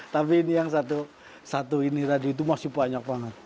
tapi ini yang satu ini tadi itu masih banyak banget